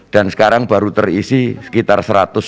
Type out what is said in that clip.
dan sekarang baru terisi sekitar